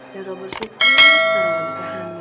yang orang bersyukur bisa hamil